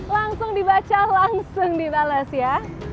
langsung dibaca langsung dibalas ya